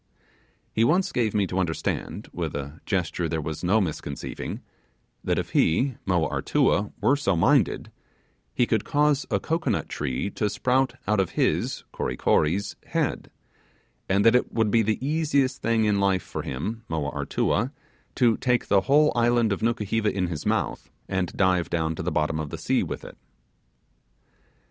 He once gave me to understand, with a gesture there was no misconceiving, that if he (Moa Artua) were so minded he could cause a cocoanut tree to sprout out of his (Kory Kory's) head; and that it would be the easiest thing in life for him (Moa Artua) to take the whole island of Nukuheva in his mouth and dive down to the bottom of the sea with it.